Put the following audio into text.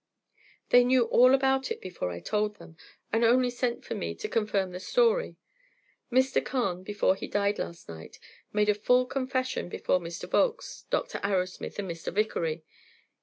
"They knew all about it before I told them, and only sent for me to confirm the story. Mr. Carne, before he died last night, made a full confession before Mr. Volkes, Dr. Arrowsmith, and Mr. Vickery.